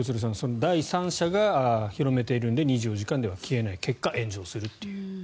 第三者が広めているので２４時間では消えない結果、炎上するという。